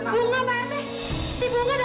pak rt pak rt pak rt